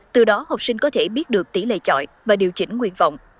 từ đó học sinh có thể biết được tỷ lệ chọi và điều chỉnh nguyện vọng